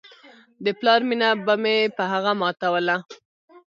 د پلار مينه به مې په هغه ماتوله.